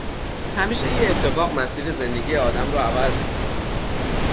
همیشه یه اتفاق مسیر زندگی آدم رو عوض می کنه